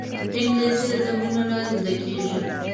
انګلیسي د تمرین له لارې زده کېږي